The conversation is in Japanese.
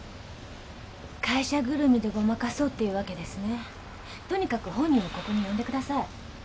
会社ぐるみでごまかそうっていうわけですねとにかく本人をここに呼んでください。